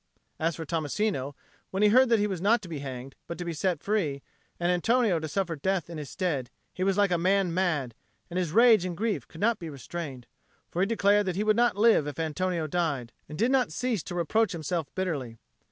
As for Tommasino, when he heard that he was not to be hanged, but to be set free, and Antonio to suffer death in his stead, he was like a man mad, and his rage and grief could not be restrained; for he declared that he would not live if Antonio died, and did not cease to reproach himself bitterly.